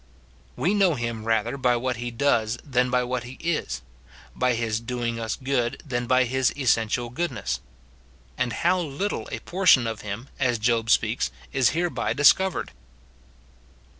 We know him rather by what he does than by what he is, — by his doing us good than by his essential goodness ; and how little a portion of him, as Job speaks, is hereby discovered